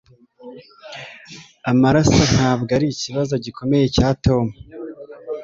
Amaraso ntabwo arikibazo gikomeye cya Tom.